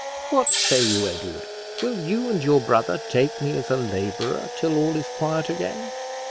What say you, Edward; will you and your brother take me as a laborer till all is quiet again?"